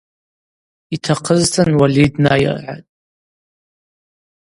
Йтахъызтын Уали днайыргӏатӏ.